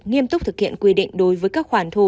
nghiêm túc thực hiện quy định đối với các khoản thu